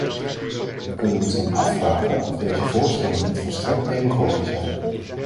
We kunnen ons dan afvragen of deze voorstellen niet volstrekt demagogisch zijn.